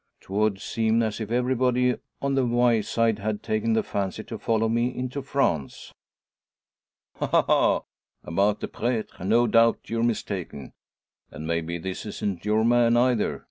'Twould seem as if everybody on the Wyeside had taken the fancy to follow me into France." "Ha ha ha! About the pretre, no doubt you're mistaken. And maybe this isn't your man, either.